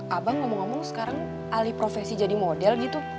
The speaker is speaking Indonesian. abang ngomong ngomong sekarang alih profesi jadi model gitu